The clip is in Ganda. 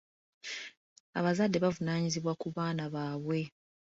Abazadde bavunaanyizibwa ku baana baabwe.